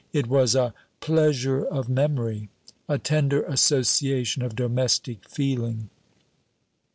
It was a "Pleasure of Memory!" a tender association of domestic feeling!